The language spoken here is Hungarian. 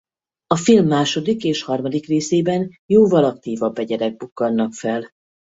A film második és harmadik részében jóval aktívabb egyedek bukkannak fel.